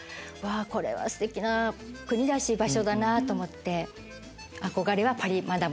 これはすてきな国だし場所だなと思って。